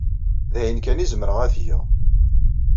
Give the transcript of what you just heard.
D aya kan ay zemreɣ ad t-geɣ.